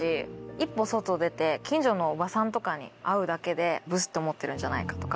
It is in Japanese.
一歩外出て近所のおばさんとかに会うだけで「ブス」って思ってるんじゃないかとか。